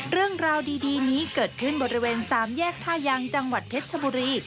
เรื่องราวดีนี้เกิดขึ้นบริเวณ๓แยกท่ายังจังหวัดเพชรชบุรี